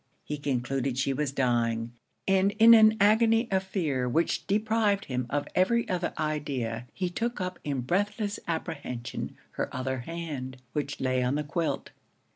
He concluded she was dying; and in an agony of fear, which deprived him of every other idea, he took up in breathless apprehension her other hand, which lay on the quilt.